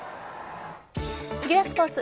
次はスポーツ。